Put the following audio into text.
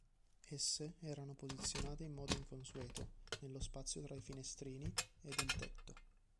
Esse erano posizionate in modo inconsueto, nello spazio tra i finestrini ed il tetto.